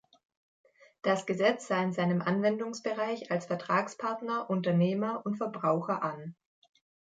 Das Gesetz sah in seinem Anwendungsbereich als Vertragspartner Unternehmer und Verbraucher an.